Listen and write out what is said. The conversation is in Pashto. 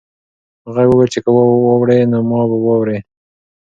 غږ وویل چې که واوړې نو ما به واورې.